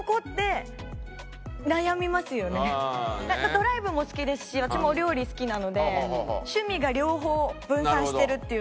ドライブも好きですし私もお料理好きなので趣味が両方分散してるっていうのが。